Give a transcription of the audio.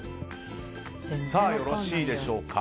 よろしいでしょうか。